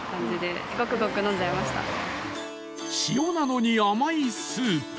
塩なのに甘いスープ？